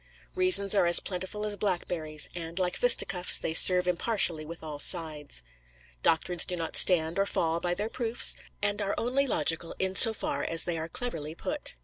Reasons are as plentiful as blackberries; and, like fisticuffs, they serve impartially with all sides. Doctrines do not stand or fall by their proofs, and are only logical in so far as they are cleverly put.